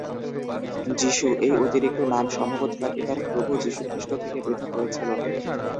"যিশু" এই অতিরিক্ত নাম সম্ভবত তাকে তার প্রভু যিশু খ্রিস্ট থেকে পৃথক করেছিল।